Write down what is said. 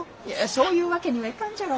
そういうわけにはいかんじゃろ。